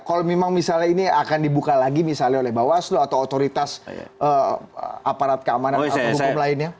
kalau memang misalnya ini akan dibuka lagi misalnya oleh bawaslu atau otoritas aparat keamanan atau hukum lainnya